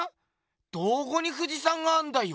どこに富士山があんだよ？